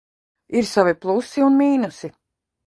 Ir savi plusi un mīnusi.